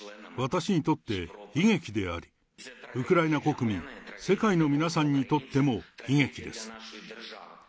私にとって悲劇であり、ウクライナ国民、世界の皆さんにとっても悲劇です。